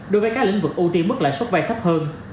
đối với các lĩnh vực ưu tiên mức lãi suất vay thấp hơn